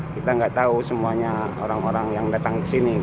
kita nggak tahu semuanya orang orang yang datang ke sini